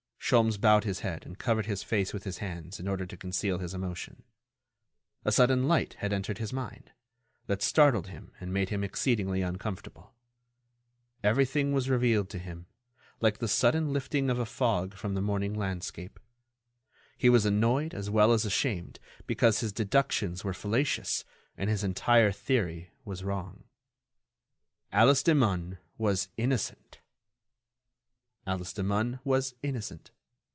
Sholmes bowed his head and covered his face with his hands in order to conceal his emotion. A sudden light had entered his mind, that startled him and made him exceedingly uncomfortable. Everything was revealed to him, like the sudden lifting of a fog from the morning landscape. He was annoyed as well as ashamed, because his deductions were fallacious and his entire theory was wrong. Alice Demun was innocent! Alice Demun was innocent.